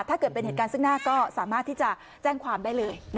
ถ้าเกิดเป็นเหตุการณ์ซึ่งหน้าก็สามารถที่จะแจ้งความได้เลย